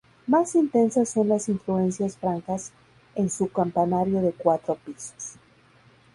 Más intensas son las influencias francas en su campanario de cuatro pisos.